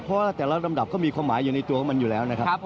เพราะหลักระดับก็มีความหมายอยู่นี่ตัวของมันอยู่แล้วนะครับ